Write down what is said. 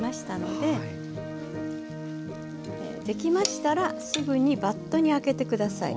できましたらすぐにバットに空けて下さい。